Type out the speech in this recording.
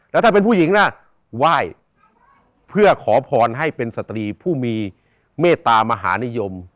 แล้วถ้าเป็นผู้หญิงนะไหว้เพื่อขอพรให้เป็นสตรีผู้มีเมตตามหานิยม